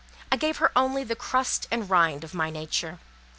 I gave her only the crust and rind of my nature.